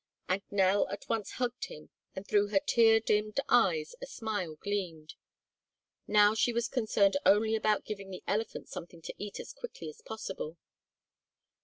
And Nell at once hugged him and through her tear dimmed eyes a smile gleamed. Now she was concerned only about giving the elephant something to eat as quickly as possible.